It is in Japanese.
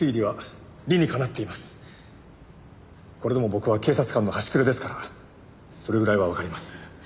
これでも僕は警察官の端くれですからそれぐらいはわかります。